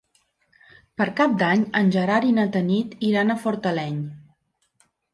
Per Cap d'Any en Gerard i na Tanit iran a Fortaleny.